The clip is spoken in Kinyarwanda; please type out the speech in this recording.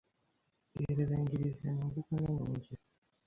irebigeregeze mu mvugo no mu ngiro